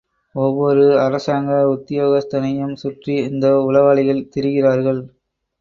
ஒவ்வொரு அரசாங்க உத்தியோகஸ்தனையும் சுற்றி இந்த உளவாளிகள் திரிகிறார்கள்.